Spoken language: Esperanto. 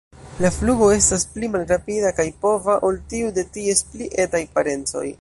La flugo estas pli malrapida kaj pova ol tiu de ties pli etaj parencoj.